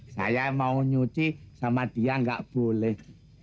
saya mau nyuci sama dia nggak boleh